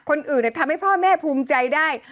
คนอื่นเนี่ยทำให้พ่อแม่ภูมิใจได้